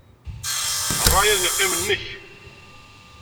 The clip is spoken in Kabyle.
Ṛṛay ad yeqqim nnek.